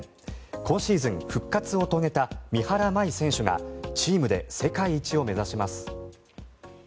今シーズン復活を遂げた三原舞依選手がチームで世界一を目指します。